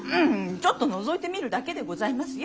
ちょっとのぞいてみるだけでございますよ。